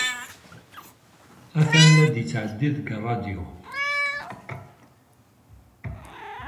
Atan la d-yettɛeddi deg ṛṛadyu.